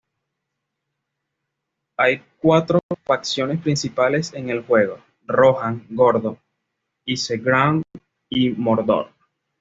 Hay cuatro facciones principales en el juego: Rohan, Gondor, Isengard y Mordor.